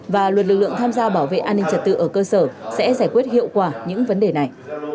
và luật lực lượng tham gia bảo vệ an ninh trật tự ở cơ sở sẽ giải quyết hiệu quả những vấn đề này